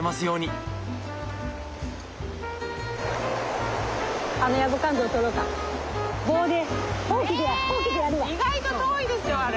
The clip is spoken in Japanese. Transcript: え意外と遠いですよあれ。